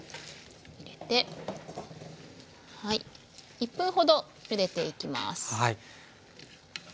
１分ほどゆでていきます。